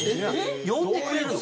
呼んでくれるの？